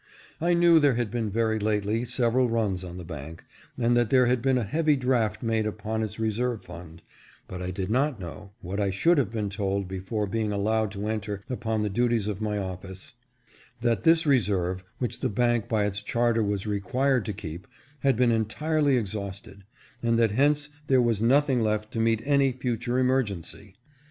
I knew there had been very lately several runs on the bank, and that there had been a heavy draft made upon its reserve fund, but I did not know, what I should have been told before being allowed to enter upon the duties of my office, that this reserve, which the bank by its charter was required to keep, had been entirely ex hausted, and that hence there was nothing left to meet any future emergency.